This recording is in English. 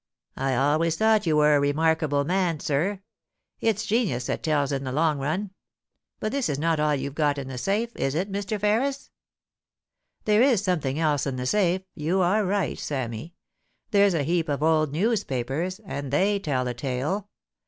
*I always thought you were a remarkable man, sir. It's genius that tells in the long run. But this is not all you have got i;i the safe. Is it, Mr. Ferris ?There is something else in the safe — you are right, Sammy. There's a heap of old newspapers, and they tell a tale.